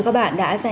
đã và đang thực hiện